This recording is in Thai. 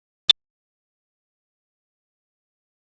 แล้วก็อาจจะเป็นเศร้าโรงงานหรือว่าการบันไดละนะ